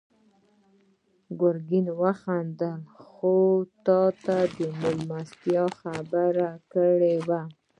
ګرګين وخندل: خو تا د مېلمستيا خبره کړې وه.